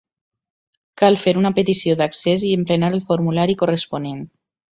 Cal fer una petició d'accés i emplenar el formulari corresponent.